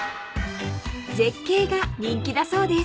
［絶景が人気だそうです］